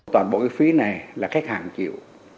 toàn bộ cái phí này là khách hàng chịu